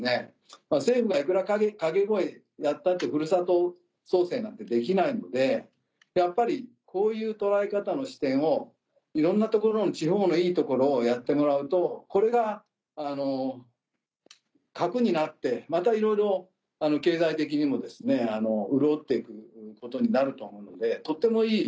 政府がいくら掛け声やったってふるさと創生なんてできないのでやっぱりこういう捉え方の視点をいろんな所の地方のいいところをやってもらうとこれが核になってまたいろいろ経済的にも潤って行くことになると思うのでとてもいい。